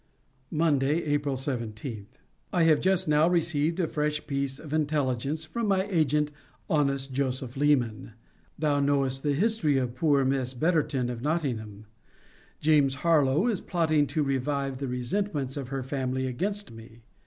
MONDAY, APRIL 17. I have just now received a fresh piece of intelligence from my agent, honest Joseph Leman. Thou knowest the history of poor Miss Betterton of Nottingham. James Harlowe is plotting to revive the resentments of her family against me.